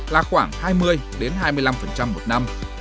là khoảng hai mươi hai mươi năm một năm